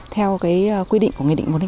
theo quy định của nghị định một trăm linh tám